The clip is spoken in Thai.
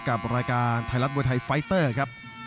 กับรายการไทยรัฐมวยไทยไฟเตอร์ครับ